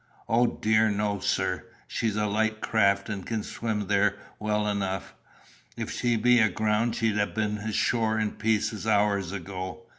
"O dear no, sir. She's a light craft, and can swim there well enough. If she'd been aground, she'd ha' been ashore in pieces hours ago.